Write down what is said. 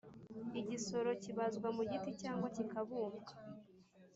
igisoro kibazwa mu giti cyangwa kikabumbwa.